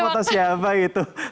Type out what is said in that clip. itu foto siapa itu